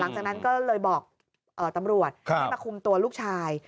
หลังจากนั้นก็เลยบอกตำรวจให้มาคุมตัวลูกชาย